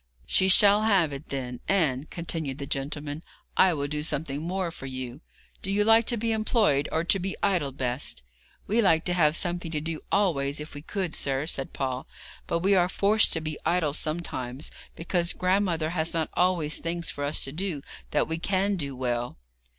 'She shall have it, then; and,' continued the gentleman, 'I will do something more for you. Do you like to be employed or to be idle best?' 'We like to have something to do always, if we could, sir,' said Paul; 'but we are forced to be idle sometimes, because grandmother has not always things for us to do that we can do well.'